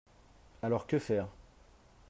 Alors, que faire?